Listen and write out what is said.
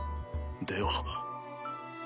では。